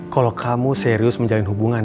kalau kamu serius menjalin hubungan